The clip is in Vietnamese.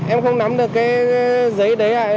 em không nắm được cái giấy đấy à